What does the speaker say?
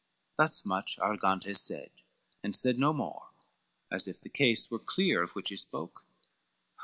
XXXIX Thus much Argantes said, and said no more, As if the case were clear of which he spoke.